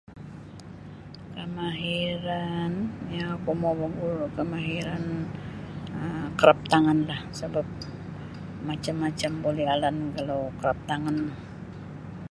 Kamahiran yang oku mau baguru um kamahiran kraftanganlah sabab macam-macam boleh alan kalau kraftangan.